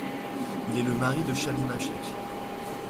Il est le mari de Shamima Shaikh.